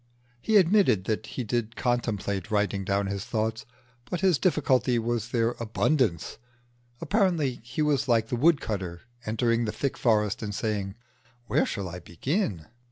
He admitted that he did contemplate writing down his thoughts, but his difficulty was their abundance. Apparently he was like the woodcutter entering the thick forest and saying, "Where shall I begin?"